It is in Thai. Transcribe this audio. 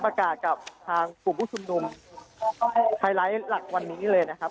กับทางกลุ่มผู้ชุมนุมไฮไลท์หลักวันนี้เลยนะครับ